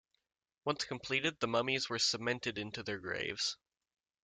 Once completed the mummies were cemented into their graves.